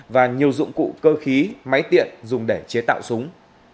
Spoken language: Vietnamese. và nhiều dụng cụ cơ khí máy tiện dùng để chế tạo súng